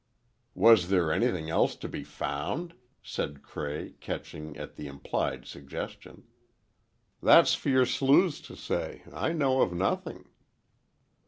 "Was there anything else to be found?" said Cray, catching at the implied suggestion. "That's for your sleuths to say. I know of nothing."